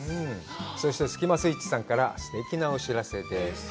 そしてスキマスイッチさんからすてきなお知らせです。